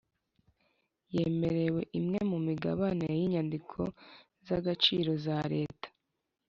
Yemerewe imwe mumigabane y inyandiko z agaciro za leta